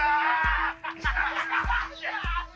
ハハハハ。